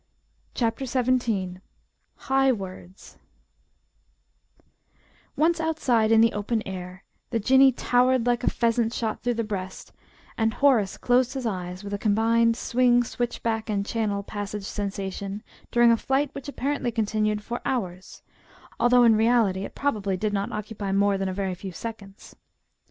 CHAPTER XVII HIGH WORDS Once outside in the open air, the Jinnee "towered" like a pheasant shot through the breast, and Horace closed his eyes with a combined swing switchback and Channel passage sensation during a flight which apparently continued for hours, although in reality it probably did not occupy more than a very few seconds.